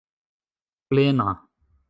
plena